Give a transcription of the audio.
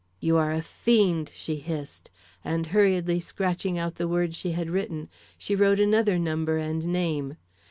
"You are a fiend," she hissed, and hurriedly scratching out the words she had written, she wrote another number and name.